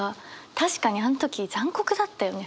確かにあの時残酷だったよね